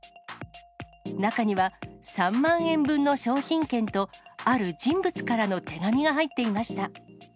中には３万円分の商品券と、ある人物からの手紙が入っていました。